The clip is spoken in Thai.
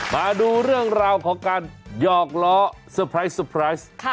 มาดูเรื่องราวของการหยอกล้อสเตอร์ไพรส